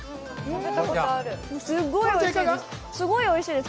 すごいおいしいです。